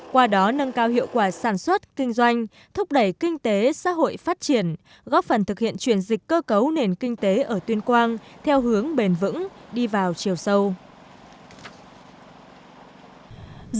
có thể thấy việc nghiên cứu và ứng dụng thành công các tiến bộ kỹ thuật công nghệ mới vào sản xuất đã giúp các doanh nghiệp tại tuyên quang tạo ra bước đột phá về năng suất chất lượng sản phẩm